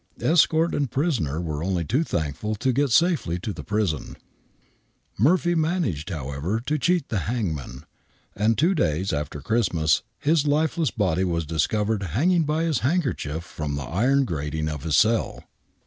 Escort and prisoner were only too thankful to get safely to the prison. Murphy managed, however, to cheat the hangman, and two days after Christmas his lifeless body was discovered hanging by his handkerchief from the iron grating of his cell.